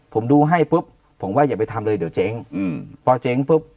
ผมดูให้ปุ๊บว่าอย่าไปทำเลยเดี๋ยวเจ๊เอง